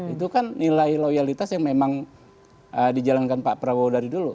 itu kan nilai loyalitas yang memang dijalankan pak prabowo dari dulu